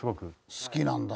好きなんだな